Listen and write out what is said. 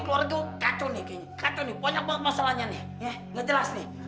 ya selamat ini keluarga kacau nih kayaknya kacau nih banyak masalahnya nih ya jelas nih